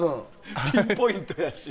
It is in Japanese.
ピンポイントだし。